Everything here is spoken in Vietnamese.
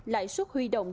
lại suất huy động